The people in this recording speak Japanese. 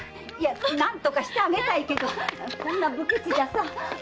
〔何とかしてあげたいけどこんな武家地じゃ〕